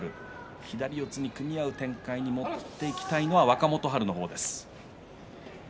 左四つに組み合う展開に持っていきたいのは若元春の方です。